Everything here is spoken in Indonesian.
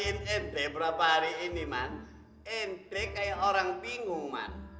ya man man berarti beberapa hari ini man man orang bingung